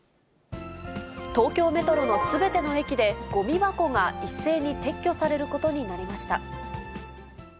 東京メトロのすべての駅で、ごみ箱が一斉に撤去されることになりました。